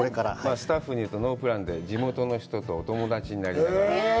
スタッフに言うと、ノープランで、地元の人とお友達になりながら。